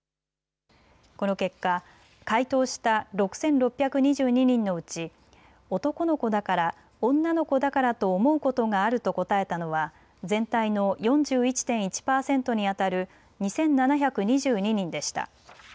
この結果、回答した６６２２人のうち男の子だから女の子だからと思うことがあると答えたのは全体の４１．１％にあたる２７２２人でした。